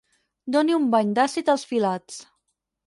Doni un bany d'àcid als filats.